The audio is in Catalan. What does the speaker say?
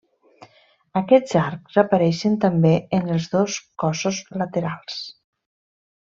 Aquests arcs apareixen també en els dos cossos laterals.